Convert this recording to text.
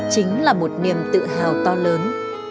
chính là một niềm tự hào to lớn